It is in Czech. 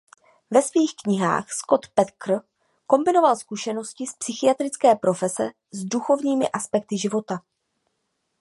Ve svých knihách Scott Peck kombinoval zkušenosti z psychiatrické profese s duchovními aspekty života.